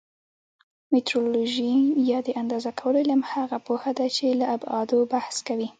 میټرولوژي یا د اندازه کولو علم هغه پوهه ده چې له ابعادو بحث کوي.